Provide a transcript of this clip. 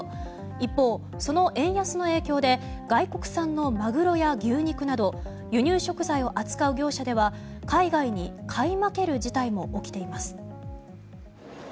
一方、その円安の影響で外国産のマグロや牛肉など輸入食材を扱う業者では海外に買い負ける事態も起きています。